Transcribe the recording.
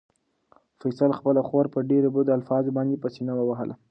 فیصل خپله خور په ډېرو بدو الفاظو باندې په سېنه ووهله.